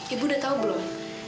ibu udah tahu belum